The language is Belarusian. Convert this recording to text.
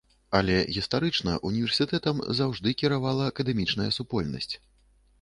Але гістарычна, універсітэтам заўжды кіравала акадэмічная супольнасць.